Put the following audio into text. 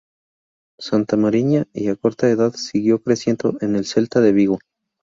Santa Mariña y a corta edad siguió creciendo en el Celta de Vigo.